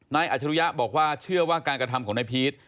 อัจฉริยะบอกว่าเชื่อว่าการกระทำของนายพีช